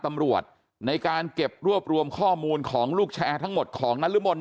ตำรวจในการเก็บรวบรวมข้อมูลของลูกแชร์ทั้งหมดของนรมน